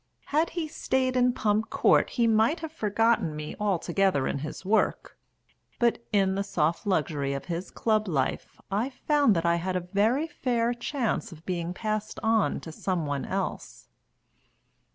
Had he stayed in Pump Court he might have forgotten me altogether in his work, but in the soft luxury of his Club life I found that I had a very fair chance of being passed on to some one else.